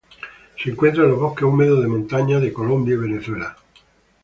Se encuentra en los bosques húmedos de montaña de Colombia y Venezuela.